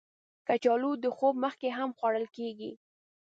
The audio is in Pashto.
کچالو د خوب مخکې هم خوړل کېږي